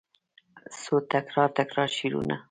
څو تکرار، تکرار شعرونه